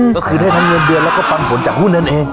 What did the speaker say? ก็คือได้ทั้งเงินเดือนแล้วก็ปันผลจากหุ้นนั่นเอง